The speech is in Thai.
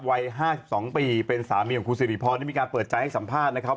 วัย๕๒ปีเป็นสามีของคุณสิริพรได้มีการเปิดใจให้สัมภาษณ์นะครับ